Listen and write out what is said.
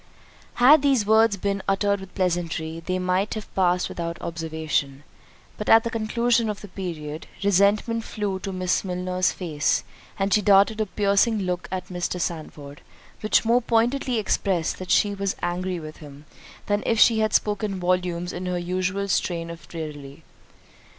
Had these words been uttered with pleasantry, they might have passed without observation; but at the conclusion of the period, resentment flew to Miss Milner's face, and she darted a piercing look at Mr. Sandford, which more pointedly expressed that she was angry with him, than if she had spoken volumes in her usual strain of raillery.